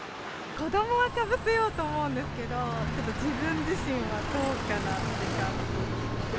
子どもはかぶせようと思うんですけど、ちょっと自分自身はどうかなって感じです。